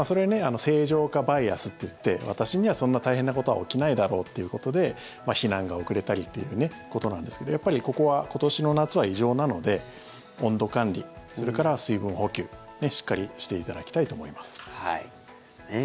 正常化バイアスといって私にはそんな大変なことは起きないだろうということで避難が遅れたりということなんですがやっぱりここは今年の夏は異常なので温度管理、それから水分補給しっかりしていただきたいと思います。